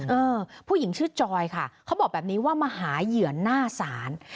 เออผู้หญิงชื่อจอยค่ะเขาบอกแบบนี้ว่ามาหาเหยื่อหน้าศาล